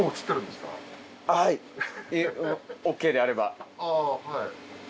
ＯＫであれば。